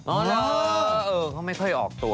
อ๋อเหรอเออเขาไม่ค่อยออกตัว